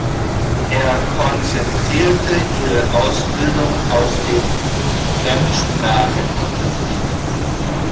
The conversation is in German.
Er konzentrierte ihre Ausbildung auf den Fremdsprachenunterricht.